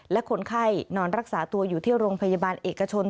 และคนไข้นอนรักษาตัวอยู่ที่โรงพยาบาลเอกชน